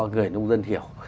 người nông dân hiểu